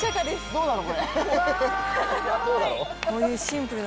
どうなの？